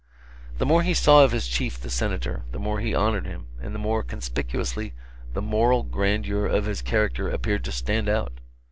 The more he saw of his chief the Senator, the more he honored him, and the more conspicuously the moral grandeur of his character appeared to stand out.